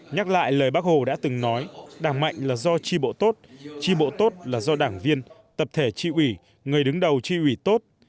nhắc lại lời bác hồ đã từng nói đảng mạnh là do tri bộ tốt tri bộ tốt là do đảng viên tập thể tri ủy người đứng đầu tri ủy tốt